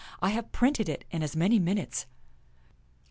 I have printed it in as many minutes."